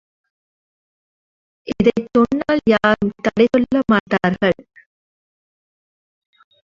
இதைச் சொன்னால் யாரும் தடை சொல்லமாட்டார்கள்.